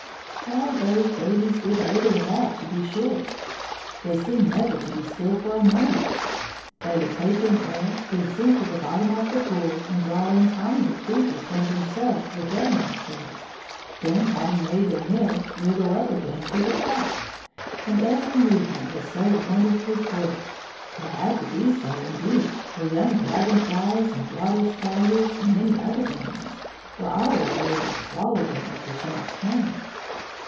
How those babies did wriggle about, to be sure! They seemed never to be still for a moment. They would take in air, then sink to the bottom of the pool and draw in tinier creatures than themselves with their mouth hairs, then, having made their meal, wriggle up again to the top. And every movement was so wonderfully quick! It had to be so, indeed, for young dragon flies and water spiders and many other enemies were always waiting to swallow them if the chance came.